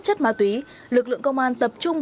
chất ma túy lực lượng công an tập trung